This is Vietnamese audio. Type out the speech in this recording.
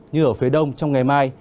như ở phía đông trong ngày mai